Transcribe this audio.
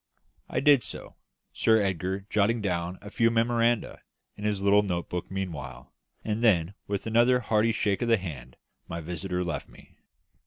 I did so, Sir Edgar jotting down a few memoranda in his note book meanwhile; and then, with another hearty shake of the hand, my visitor left me.